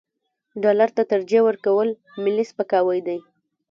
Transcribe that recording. ډالر ته ترجیح ورکول ملي سپکاوی دی.